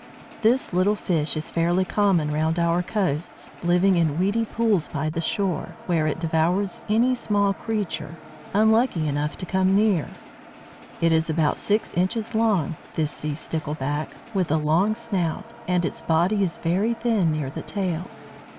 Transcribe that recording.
This little fish is fairly common round our coasts, living in weedy pools by the shore, where it devours any small creature unlucky enough to come near. It is about six inches long, this sea Stickleback, with a long snout, and its body is very thin near the tail.